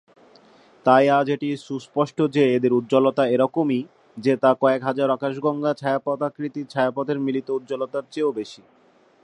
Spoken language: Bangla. তাই আজ এটি সুস্পষ্ট যে এদের উজ্জ্বলতা এরকমই যে তা কয়েক হাজার আকাশগঙ্গা ছায়াপথ আকৃতির ছায়াপথের মিলিত উজ্জ্বলতার চেয়েও বেশি।